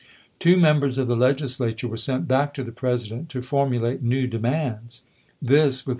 Two mem H&ory bers of the Legislature were sent back to the Presi lantv^voi. dent to formulate new demands. This, with the "m6.'